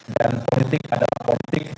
dan politik adalah politik